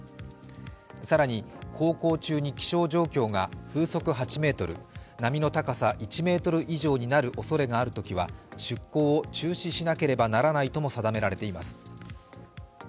更に、航行中に起床状況が風速８メートル、波の高さ１ｍ以上になるおそれがあるときは出航を中止しなければならないとも定められています。